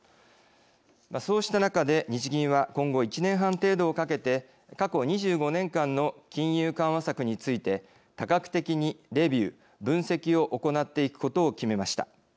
そうした中で日銀は今後１年半程度をかけて過去２５年間の金融緩和策について多角的にレビュー分析を行っていくことを決めました。